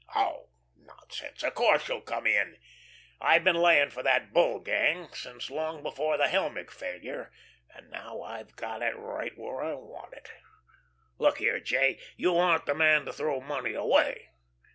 Oh, nonsense, of course you'll come in. I've been laying for that Bull gang since long before the Helmick failure, and now I've got it right where I want it. Look here, J., you aren't the man to throw money away.